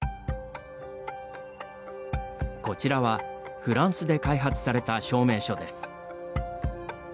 こちらはフランスで開発された証明書です。